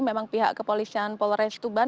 memang pihak kepolisian polres tuban